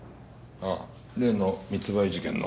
ああ例の密売事件の。